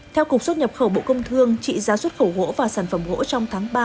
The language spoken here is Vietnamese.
theo cục xuất nhập khẩu bộ công thương trị giá xuất khẩu gỗ và sản phẩm gỗ trong tháng ba